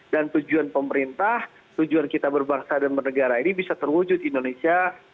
dan tujuan pemerintah tujuan kita berbangsa dan bernegara ini bisa terwujud indonesia